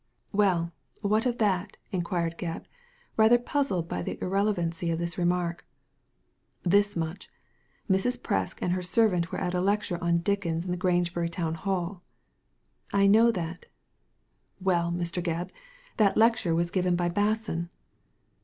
"Well. What of that?" inquired Gebb, rather puzzled by the irrelevancy of this remark. "This much. Mrs. Presk and her servant were at a lecture on Dickens in the Grangebury Town Hall." "I know that" "Well, Mr. Gebb, that lecture was given by Basson